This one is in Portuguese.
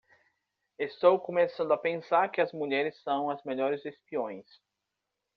Estou começando a pensar que as mulheres são as melhores espiões.